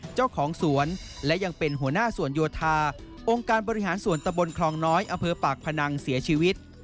เจ้าของสวนและยังเป็นหัวหน้าสวนโยธาองค์การบริหารส่วนตะบนคลองน้อยอำเภอปากพนังเสียชีวิต